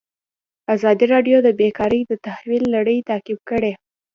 ازادي راډیو د بیکاري د تحول لړۍ تعقیب کړې.